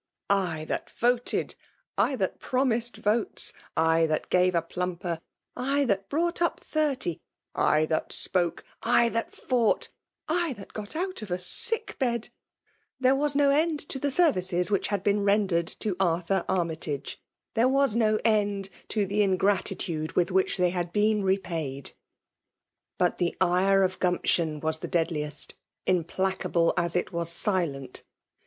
" I tht^t voted ^ that promised votes, — I that gave a plumper^ —I that brought up thirty, — I thAt.spQko^ rX Ihat fought, — I that got out of a sick bed ! There was no end to the services whkh had bcffn rendered to Arthur Armytage;— tha^ wfui no end to the ingratitude with which thf^ had been repaid !.^' But the ire of Gumption was the deftdh^ T^ implacable as it was silent.